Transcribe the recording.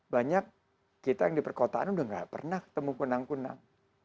banyak kita yang di perkotaan udah gak pernah ketemu kunang kunang